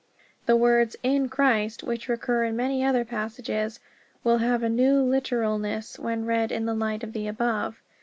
The words "in Christ," which recur in many other passages, will have a new literalness when read in the light of the above.